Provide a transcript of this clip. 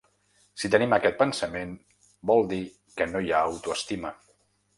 Si tenim aquest pensament, vol dir que no hi ha autoestima.